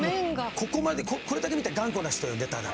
ここまでこれだけ見たら頑固な人よねただ。